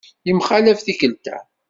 Yemxalaf tikkelt-a.